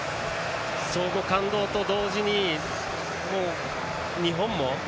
感動と同時に、日本も。